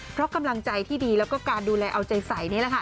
เพราะกำลังใจที่ดีแล้วก็การดูแลเอาใจใสนี่แหละค่ะ